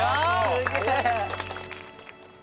すげえ！